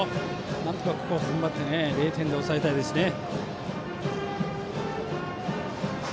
なんとかここをふんばって０点で抑えたいですね。